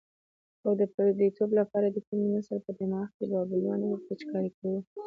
او د پردیتوب لپاره یې د تنکي نسل په دماغ کې بابولالې ورپېچکاري کوو.